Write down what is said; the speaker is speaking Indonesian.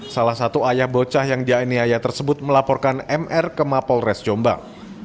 salah satu ayah bocah yang dianiaya tersebut melaporkan mr ke mapol res jombang